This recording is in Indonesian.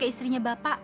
sambil ke rumah bapak